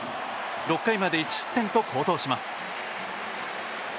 ６回まで１失点と好投します。